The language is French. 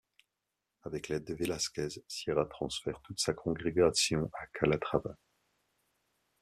Avec l'aide de Vélasquez, Sierra transfère toute sa congrégation à Calatrava.